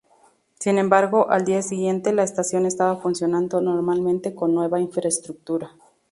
Sin embargo, al día siguiente la estación estaba funcionando normalmente con nueva infraestructura.